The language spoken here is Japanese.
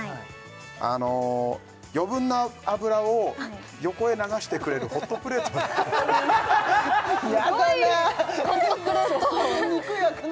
あの余分な油を横へ流してくれるホットプレートやだな